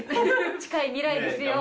近い未来ですよ。